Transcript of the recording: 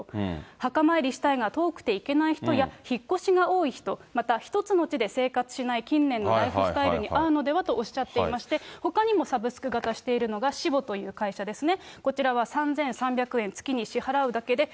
墓参りしたいが遠くて行けない人や、引っ越しが多い人、また、一つの地で生活しない近年のライフスタイルにあうのではとおっしゃっていまして、ほかにもサブスク型しているのが、偲墓という会社ですね。